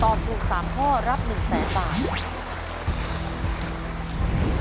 ถูก๓ข้อรับ๑แสนบาท